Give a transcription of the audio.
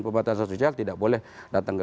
pembatasan sosial tidak boleh datang ke